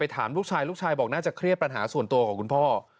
ถามลูกชายลูกชายบอกน่าจะเครียดปัญหาส่วนตัวของคุณพ่อ